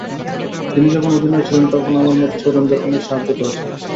তিনি যখন অধিনায়ক ছিলেন, তখন আমার মতো তরুণদের অনেক সাহায্য করেছেন।